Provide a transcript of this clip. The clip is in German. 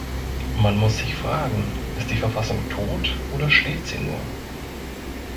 Man muss sich fragen, ist die Verfassung tot oder schläft sie nur?